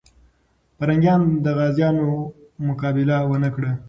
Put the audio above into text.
پرنګیان د غازيانو مقابله ونه کړه.